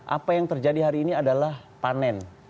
apa yang terjadi hari ini adalah panen